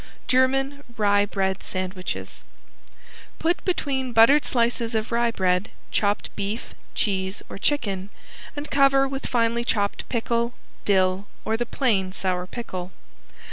~GERMAN RYE BREAD SANDWICHES~ Put between buttered slices of rye bread chopped beef, cheese or chicken, and cover with finely chopped pickle, dill or the plain sour pickle.